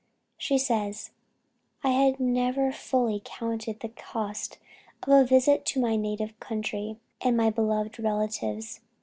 She says: "I had never fully counted the cost of a visit to my native country and beloved relatives.